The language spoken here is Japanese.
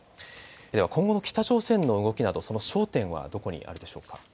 では今後の北朝鮮の動きなど焦点はどこにあるのでしょうか。